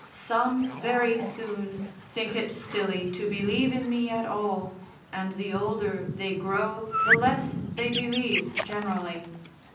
Some, very soon, think it silly to believe in me at all, and the older they grow the less they believe, generally.